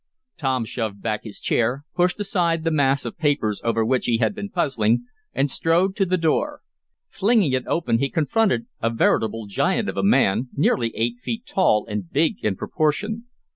Tom shoved back his chair, pushed aside the mass of papers over which he had been puzzling, and strode to the door. Flinging it open he confronted a veritable giant of a man, nearly eight feet tall, and big in proportion.